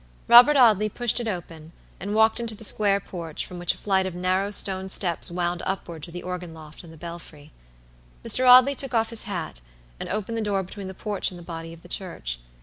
Robert Audley pushed it open, and walked into the square porch, from which a flight of narrow stone steps wound upward to the organ loft and the belfry. Mr. Audley took off his hat, and opened the door between the porch and the body of the church.